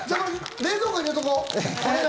冷蔵庫入れとこ。